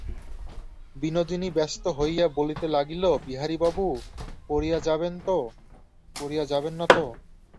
বিনোদিনী ব্যস্ত হইয়া বলিতে লাগিল, বিহারীবাবু, পড়িয়া যাবেন না তো?